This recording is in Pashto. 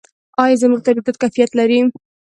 آیا زموږ تولیدات کیفیت لري؟